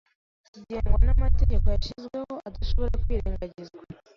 kigengwa n’amategeko yashyizweho adashobora kwirengagizwa.